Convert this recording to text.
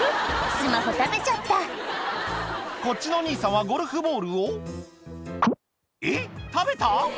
スマホ食べちゃったこっちのお兄さんはゴルフボールをえっ食べた？